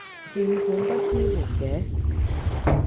鍵盤不支援嘅